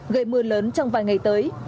gây mưa lớn trong vài ngày tới